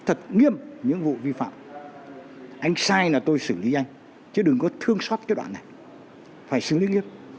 anh sai là tôi xử lý anh chứ đừng có thương xót cái đoạn này phải xử lý nghiêm